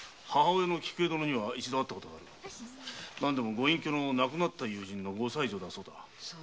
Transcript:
ご隠居の亡くなった友人のご妻女だそうだ。